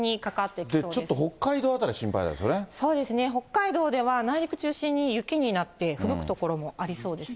ちょっと北海道辺り、心配なそうですね、北海道では内陸中心に雪になってふぶく所もありそうですね。